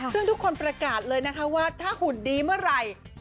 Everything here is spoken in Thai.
ซึ่งทุกคนประกาศเลยนะคะว่าถ้าหุ่นดีเมื่อไหร่